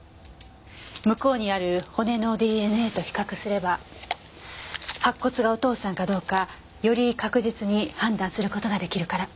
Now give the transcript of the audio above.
向こうにある骨のＤＮＡと比較すれば白骨がお父さんかどうかより確実に判断する事が出来るから。